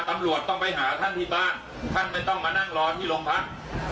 ตำรวจต้องไปหาท่านที่บ้านท่านไม่ต้องมานั่งรอที่โรงพัก